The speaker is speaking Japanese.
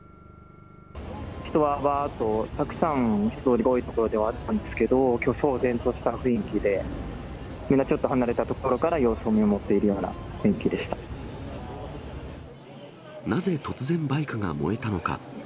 人はわーっとたくさん、人通りが多い所ではあったんですけど、騒然とした雰囲気で、みんなちょっと離れた所から様子を見守っているような雰囲気でしなぜ突然、バイクが燃えたのか。